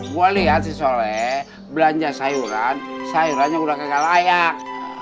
gue lihat sih soleh belanja sayuran sayurannya udah kagak layak